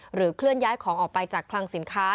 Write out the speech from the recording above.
เคลื่อนย้ายของออกไปจากคลังสินค้า